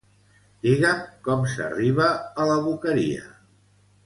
Digue'm com s'arriba a la Boqueria.